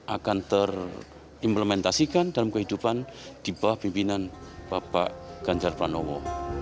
akan terimplementasikan dalam kehidupan di bawah pimpinan bapak ganjar pranowo